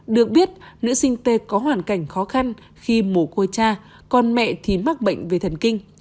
được biết nữ sinh tê có hoàn cảnh khó khăn khi mổ côi cha con mẹ thì mắc bệnh về thần kinh